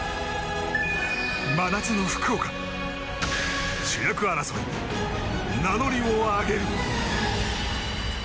真夏の福岡、主役争いに名乗りを挙げる。